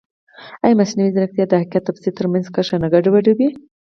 ایا مصنوعي ځیرکتیا د حقیقت او تفسیر ترمنځ کرښه نه ګډوډوي؟